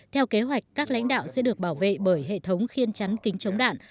theo kế hoạch các lãnh đạo sẽ được bảo vệ bởi hệ thống khiên chắn kính chống đạn